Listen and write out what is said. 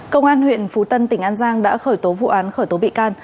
công an huyện phú tân tỉnh an giang đã khởi tố vụ án khởi tố bị can